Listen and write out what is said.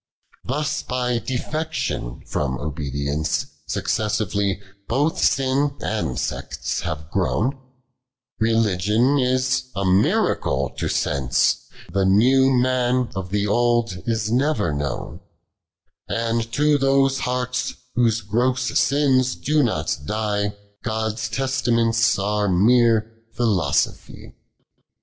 89. Thus by defection from obedience. Successively both sin and sects have grown ; lieligion is a miracle to Senco, The new man of the old is never known : And to those hearts whose gross sins do not die, God's testaments are meer philosophy.